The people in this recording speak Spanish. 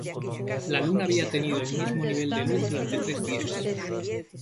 La luna había tenido el mismo nivel de luz durante tres días.